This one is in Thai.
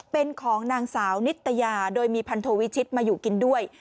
เป็นของนางสาวนิตยาโดยมีพันโทวิชิตมาอยู่กินด้วย